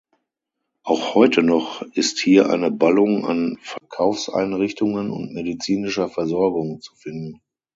Auch heute noch ist hier eine Ballung an Verkaufseinrichtungen und medizinischer Versorgung zu finden.